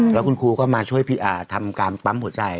แล้วคุณครูก็มาช่วยทำการปั๊มหัวใจ